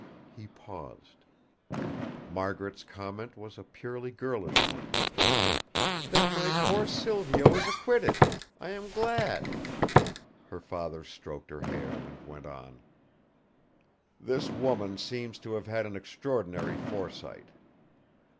He paused. Margaret's comment was a purely girlish one: "Then my poor Silvio is acquitted! I am glad!" Her father stroked her hair and went on: "This woman seems to have had an extraordinary foresight.